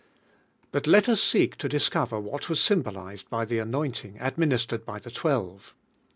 Bui let us seek to discover what was symbolised by Ihe anointing admin istered by Ihe twelve.